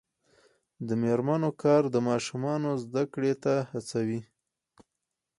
د میرمنو کار د ماشومانو زدکړې ته هڅوي.